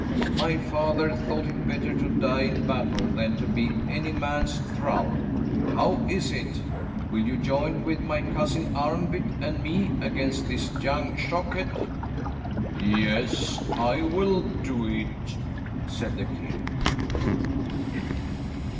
My father thought it better to die in battle than to be any man's thrall. How is it? Will you join with my cousin Arnvid and me against this young Shockhead?" "Yes, I will do it," said the king.